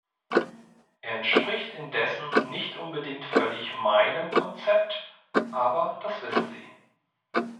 Er entspricht indessen nicht unbedingt völlig meinem Konzept, aber das wissen sie.